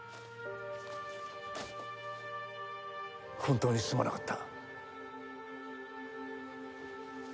本当にすまなかった。